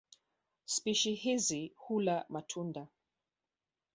Spishi hizi hula matunda.